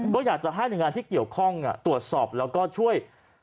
ก็อยากจะให้หน่วยงานที่เกี่ยวข้องตรวจสอบแล้วก็ช่วย